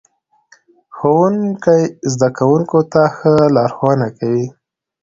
ښوونکی زده کوونکو ته ښه لارښوونه کوي